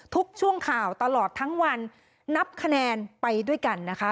ทุกช่วงข่าวตลอดทั้งวันนับคะแนนไปด้วยกันนะคะ